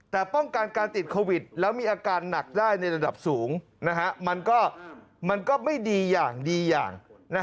แต่ป้องกันการติดโควิดแล้วมีอาการหนักได้ในระดับสูงมันก็ไม่ดีอย่างดีอย่าง